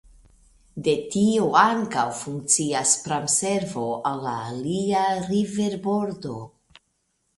De tio ankaŭ funkcias pramservo al la alia riverbordo.